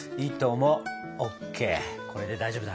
これで大丈夫だな！